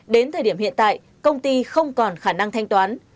đến thời điểm hiện tại công ty không còn khả năng thanh toán